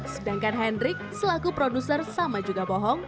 sedangkan hendrik selaku produser sama juga bohong